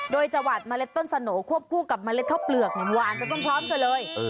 โดยจังหวัดเมล็ดต้นสโหน่ควบคู่กับเมล็ดข้าวเปลือกหวานไปพร้อมกันเลย